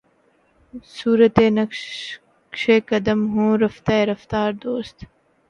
صورتِ نقشِ قدم ہوں رفتۂ رفتارِ دوست